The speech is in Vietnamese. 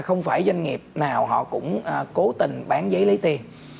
không phải doanh nghiệp nào họ cũng cố tình bán giấy lấy tiền